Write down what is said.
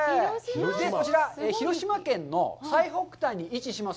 こちら、広島県の最北端に位置します